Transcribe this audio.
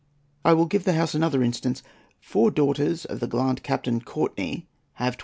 I will give the House another instance. Four daughters of the gallant Captain Courtenay have 12£.